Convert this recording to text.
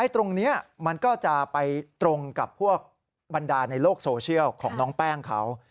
ตรงนี้มันก็จะไปตรงกับพวกบรรดาในโลกโซเชียลของน้องแป้งเขา